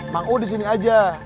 mang u di sini aja